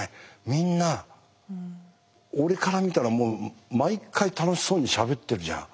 みんな俺から見たら毎回楽しそうにしゃべってるじゃん。